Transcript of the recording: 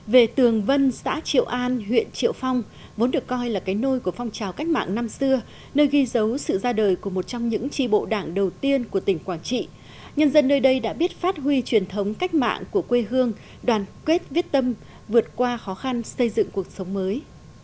về tường vân xã triệu an huyện triệu phong vốn được coi là cái nôi của phong trào cách mạng năm xưa nơi ghi dấu sự ra đời của một trong những tri bộ đảng đầu tiên của tỉnh quảng trị nhân dân nơi đây đã biết phát huy truyền thống cách mạng của quê hương đoàn quyết viết tâm vượt qua khó khăn xây dựng cuộc sống mới